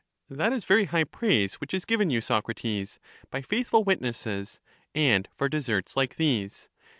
That is very high praise, which is given you, Socrates, by faithful witnesses and for deserts like these.